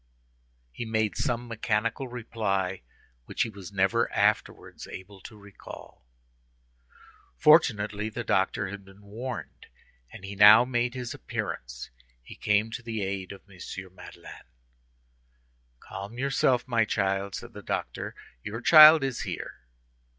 He made some mechanical reply which he was never afterwards able to recall. Fortunately, the doctor had been warned, and he now made his appearance. He came to the aid of M. Madeleine. "Calm yourself, my child," said the doctor; "your child is here."